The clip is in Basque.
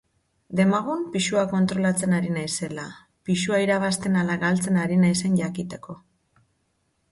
Demagun pisua kontrolatzen ari naizela, pisua irabazten ala galtzen ari naizen jakiteko.